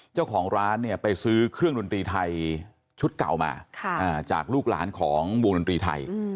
เจ้าของร้านเนี่ยไปซื้อเครื่องดนตรีไทยชุดเก่ามาจากลูกหลานของวงดนตรีไทย